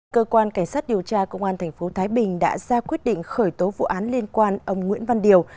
cơ quan cảnh sát điều tra công an tp thái bình đã ra quyết định khởi tố vụ án liên quan ông nguyễn văn điều